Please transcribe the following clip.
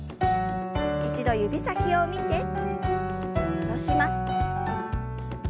一度指先を見て戻します。